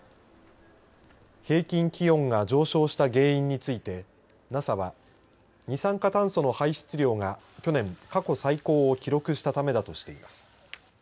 平均気温が上昇した原因についてＮＡＳＡは二酸化炭素の排出量が去年過去最高を記録したためだとしています。